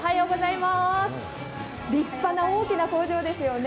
立派な大きな工場ですよね。